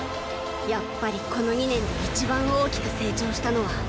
やっぱりこの二年で一番大きく成長したのはーー。